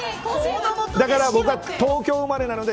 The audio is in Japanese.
僕は東京生まれなので